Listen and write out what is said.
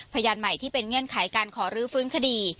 พยานใหม่ที่เป็นเงื่อนไขการขอรื้อฟื้นคดี